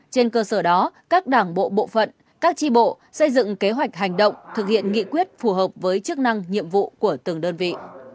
trên cơ sở đó các đảng bộ bộ phận các tri bộ xây dựng kế hoạch hành động thực hiện nghị quyết phù hợp với chức năng nhiệm vụ của từng đơn vị